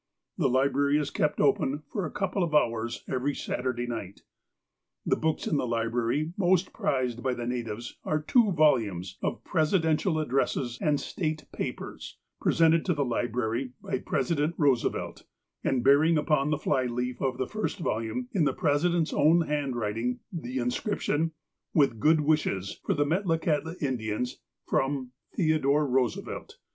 The library is kept open for a couple of hours every Saturday night. The books in the library most prized by the nativ s are two volumes of ''Presidential Addresses and State Papers," presented to the library by President Eoose vXand bearing upon the fly leaf of the first volume, m the President's own handwriting, the inscription : With good wishes for the Metlakahtla Indians from wiui guuu ^^ Theodore Roosevelt.